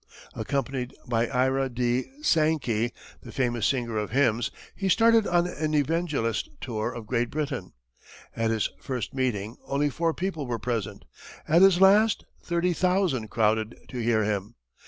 Accompanied by Ira D. Sankey, the famous singer of hymns, he started on an evangelist tour of Great Britain. At his first meeting only four people were present; at his last, thirty thousand crowded to hear him.